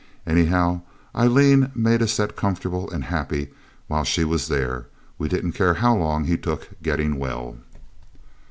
Anyhow, Aileen made us that comfortable and happy while she was there, we didn't care how long he took getting well.